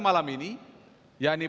masih masih masih